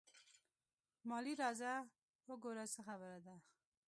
مالې راځه وګوره څه خبره ده.